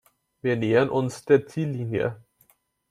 Wir nähern uns der Ziellinie.